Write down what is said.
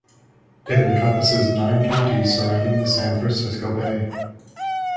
It encompasses nine counties surrounding the San Francisco Bay.